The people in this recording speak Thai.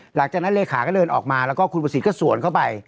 หลังจากนั้นเลขาก็เดินออกมาแล้วก็คุณประสิทธิ์ก็สวนเข้าไป